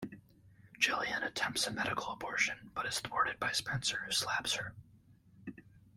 Jillian attempts a medical abortion but is thwarted by Spencer who slaps her.